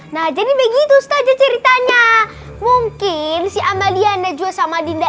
nah jadi begitu ustadza ceritanya mungkin si amalia rj undadinda